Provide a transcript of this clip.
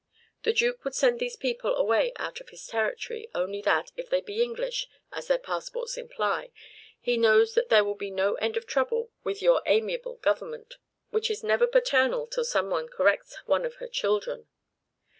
The Duke would send these people away out of his territory, only that, if they be English, as their passports imply, he knows that there will be no end of trouble with your amiable Government, which is never paternal till some one corrects one of her children.